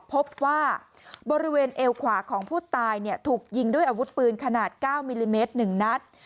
พบว่าบริเวณเอวขวาของผู้ตายถูกยิงด้วยอาวุธปืนขนาด๙มิลลิเมตร๑นัด